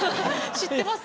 知ってます？